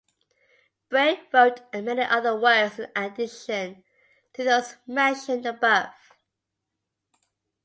Bray wrote many other works in addition to those mentioned above.